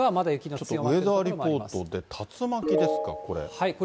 ちょっとウェザーリポートで、竜巻ですか、これ。